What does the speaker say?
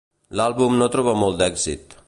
L'àlbum no troba molt d'èxit.